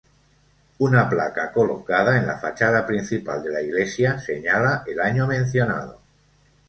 Una placa colocada en la fachada principal de la iglesia, señala el año mencionado.